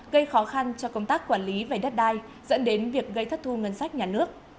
gây khó khăn cho công tác quản lý về đất đai dẫn đến việc gây thất thu ngân sách nhà nước